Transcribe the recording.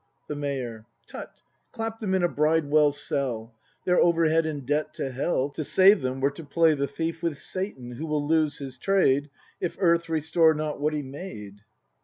The Mayor. Tut, clap them in a Bridewell cell. They're overhead in debt to hell; To save them were to play the thief With Satan, who will lose his trade If earth restore not what he made.